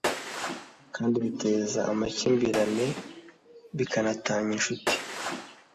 kandi biteza amakimbirane bikanatanya inshuti